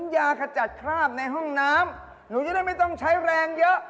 ไม่คุณนายเขาจะทำบุญบ้านไงพี่